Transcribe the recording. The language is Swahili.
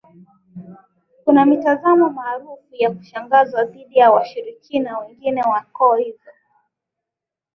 kuna mitazamo maarufu wa kushangaza dhidi ya washirikina wengine wa koo hizi